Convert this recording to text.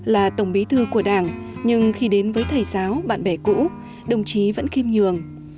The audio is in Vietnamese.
là tổng bí thư của đảng nhưng khi đến với thầy giáo bạn bè cũ đồng chí vẫn khiêm nhường